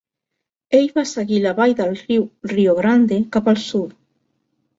Ell va seguir la vall del riu Rio Grande cap al sud.